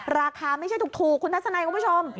ราคาไม่ใช่ถูกคุณทัศนัยคุณผู้ชม